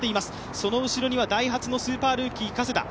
その後ろにはダイハツのスーパールーキー・加世田。